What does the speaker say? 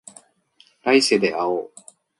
来世で会おう